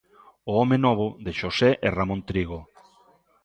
O home novo, de Xosé e Ramón Trigo.